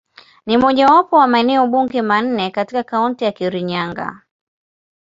Ni mojawapo wa maeneo bunge manne katika Kaunti ya Kirinyaga.